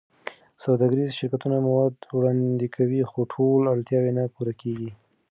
سوداګریز شرکتونه مواد وړاندې کوي، خو ټول اړتیاوې نه پوره کېږي.